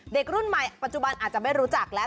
เด็กรุ่นใหม่ปัจจุบันอาจจะไม่รู้จักแล้ว